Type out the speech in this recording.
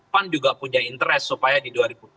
pan juga punya interest supaya di dua ribu dua puluh